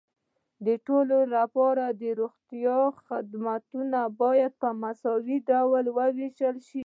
د ټولو لپاره د روغتیا خدمتونه باید په مساوي توګه وېشل شي.